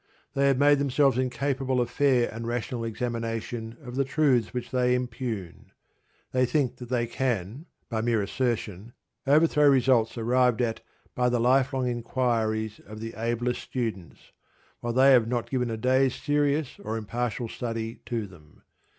They have made themselves incapable of fair and rational examination of the truths which they impugn. They think that they can, by mere assertion, overthrow results arrived at by the lifelong inquiries of the ablest students, while they have not given a day's serious or impartial study to them.